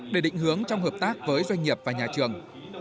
để định hướng trong hợp tác với doanh nghiệp và nhà trường